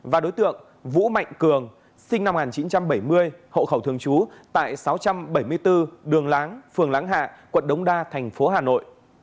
và đối tượng vũ mạnh cường sinh năm một nghìn chín trăm bảy mươi hộ khẩu thường trú tại sáu trăm bảy mươi bốn đường láng phường láng hạ quận đống đa thành phố hà nội